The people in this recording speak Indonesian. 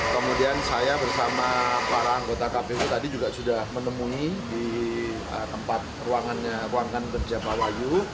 kemudian saya bersama para anggota kpu tadi juga sudah menemui di tempat ruangan kerja pak wahyu